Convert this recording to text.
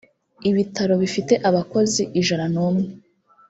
ibitaro bifite abakozi ijana n’ umwe.